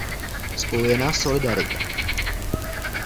Spojuje nás solidarita.